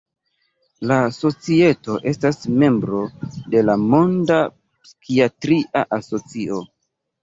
La Societo estas membro de la Monda Psikiatria Asocio.